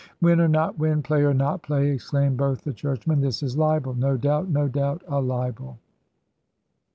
"Win or not win, play or not play," exclaimed both the churchmen, "this is a libel no doubt, no doubt, a libel."